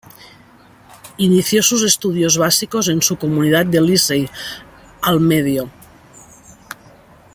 Inició sus estudios básicos en su comunidad de Licey al Medio.